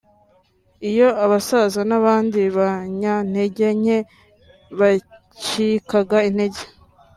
iyo abasaza n’abandi banyantege nke bacikaga intege